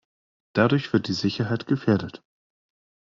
Dadurch wird die Sicherheit gefährdet.